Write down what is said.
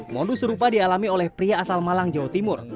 modus serupa dialami oleh pria asal malang jawa timur